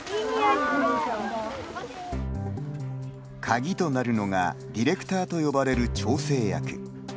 鍵となるのがディレクターと呼ばれる調整役。